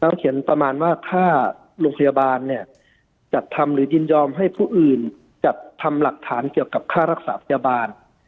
เขียนประมาณว่าค่าโรงพยาบาลเนี่ยจัดทำหรือยินยอมให้ผู้อื่นจัดทำหลักฐานเกี่ยวกับค่ารักษาพยาบาล